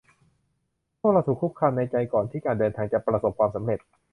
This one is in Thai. พวกเราถูกคุกคามในใจก่อนที่การเดินทางจะประสบความสำเร็จ